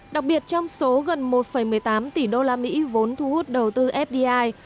đặc biệt trong số gần một một mươi tám tỷ đô la mỹ vốn thu hút đầu tư fdi